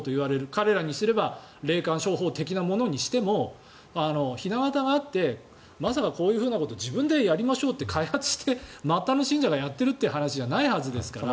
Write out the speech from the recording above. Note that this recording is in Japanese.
彼らにすれば霊感商法的なものにしてもひな形があってまさか、こういうことを自分でやりましょうって開発して末端の信者がやっているという話ではないはずですから。